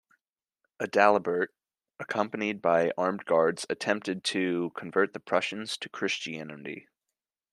Adalbert, accompanied by armed guards, attempted to convert the Prussians to Christianity.